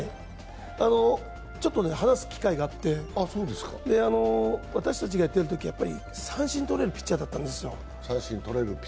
ちょっと話す機会があって、私たちがやってるとき、やっぱり三振がとれるピッチャーだったんですよ。